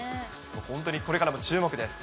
本当に、これからも注目です。